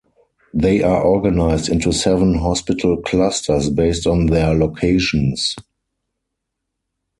They are organised into seven hospital clusters based on their locations.